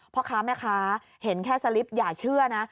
เพราะคะแม่คะเห็นแค่สลิปอย่าเชื่อนะ